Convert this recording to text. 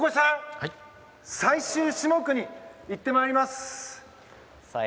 最終種目に行ってまいります。